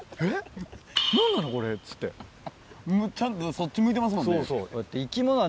ちゃんとそっち向いてますもんね。